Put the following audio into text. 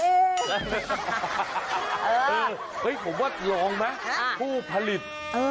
เออเฮ้ยผมว่าลองไหมผู้ผลิต